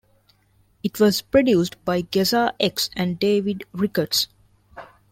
It was produced by Geza X and David Ricketts.